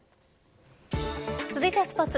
続いてはスポーツ。